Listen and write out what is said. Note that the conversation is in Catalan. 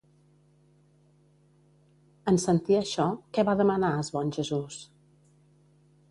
En sentir això, què va demanar es bon Jesús?